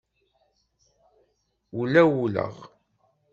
Wlawleɣ.